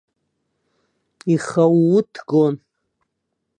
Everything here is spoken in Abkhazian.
Ихы ауу ҭгон.